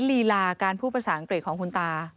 ลีลาการพูดภาษาอังกฤษของคุณตา